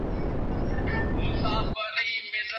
د کور کثافات هره ورځ وباسئ.